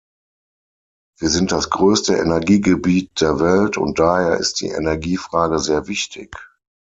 Wir sind das größte Energiegebiet der Welt und daher ist die Energiefrage sehr wichtig.